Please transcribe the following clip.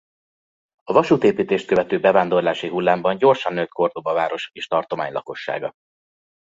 A vasútépítést követő bevándorlási hullámban gyorsan nőtt Córdoba város és tartomány lakossága.